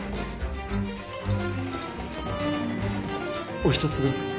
お一つどうぞ。